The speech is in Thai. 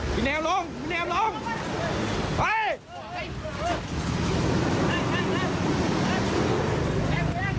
มีแนวลงมีแนวลง